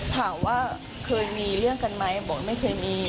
ถามว่าเคยมีเรื่องกันไหมบอกไม่เคยมี